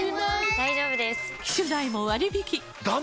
大丈夫です！